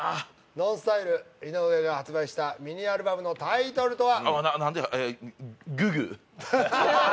ＮＯＮＳＴＹＬＥ井上が発売したミニアルバムのタイトルとは？